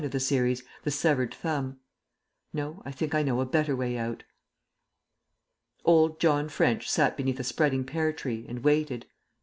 of the series The Severed Thumb. No, I think I know a better way out.] ..... Old John French sat beneath a spreading pear tree, and waited.